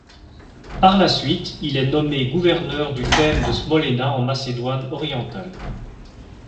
Par la suite, il est nommé gouverneur du thème de Smolena en Macédoine orientale.